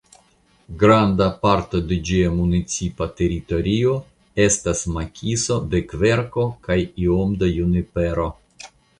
Granda parto de ĝia municipa teritorio estas makiso de kverko kaj iom da junipero.